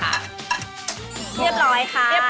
เรียบร้อย